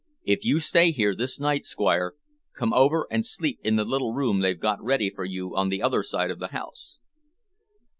If you stay here this night, Squire, come over and sleep in the little room they've got ready for you on the other side of the house."